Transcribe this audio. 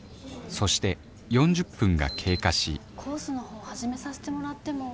そして４０分が経過しコースの方始めさせてもらっても。